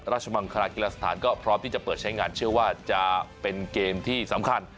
มังคลากีฬาสถานก็พร้อมที่จะเปิดใช้งานเชื่อว่าจะเป็นเกมที่สำคัญ